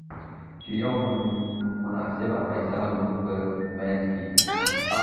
چې يوه مناسبه فيصله زموږ په منځ کې وکړۍ.